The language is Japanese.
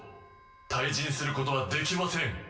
退陣することはできません！